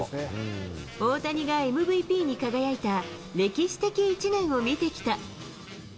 大谷がＭＶＰに輝いた歴史的１年を見てきた。